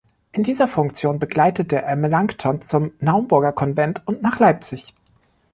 In dieser Funktion begleitete er Melanchthon zum Naumburger Konvent und nach Leipzig.